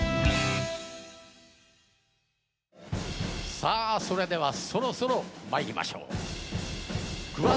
さあそれではそろそろ参りましょう。